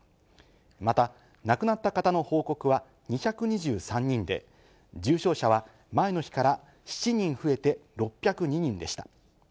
また亡くなった方の報告は２２３人で、重症者は前の日から７人増えて６０２人でした。